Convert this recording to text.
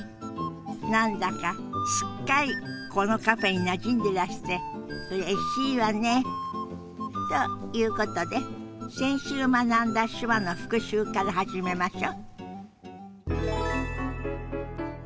何だかすっかりこのカフェになじんでらしてうれしいわね。ということで先週学んだ手話の復習から始めましょ。